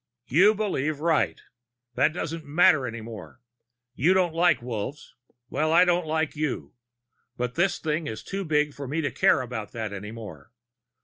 "You believe right. That doesn't matter any more. You don't like Wolves. Well, I don't like you. But this thing is too big for me to care about that any more.